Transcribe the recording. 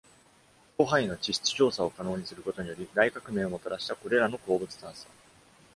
広範囲の地質調査を可能にすることにより、大革命をもたらしたこれらの鉱物探査